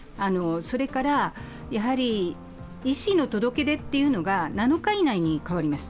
それから医師の届け出というのが７日以内に変わります。